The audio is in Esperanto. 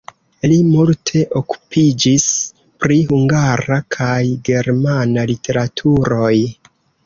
Li multe okupiĝis pri hungara kaj germana literaturoj.